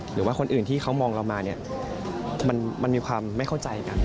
หรือว่าคนอื่นที่เขามองเรามาเนี่ยมันมีความไม่เข้าใจกัน